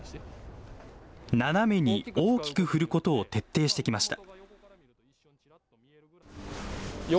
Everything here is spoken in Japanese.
斜めに大きく振ることを徹底してきました。